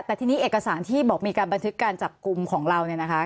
แต่ทีนี้เอกสารที่บอกมีการบันทึกการจับกลุ่มของเราเนี่ยนะคะ